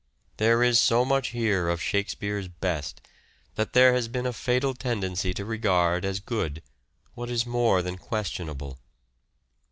There is so much here of " Shakespeare's " best, that there has been a fatal tendency to regard as good what is more than question able.